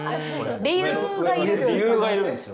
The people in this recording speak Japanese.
理由がいるんですよ。